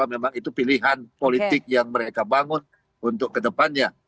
memang itu pilihan politik yang mereka bangun untuk kedepannya